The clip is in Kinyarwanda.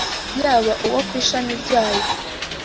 yaba uwo ku ishami ryayo